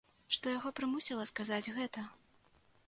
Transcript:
Што яго прымусіла сказаць гэта?